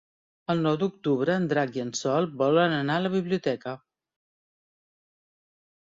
El nou d'octubre en Drac i en Sol volen anar a la biblioteca.